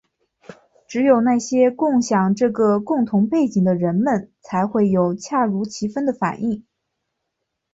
只有那些共享这个共同背景的人们才会有恰如其分的反应。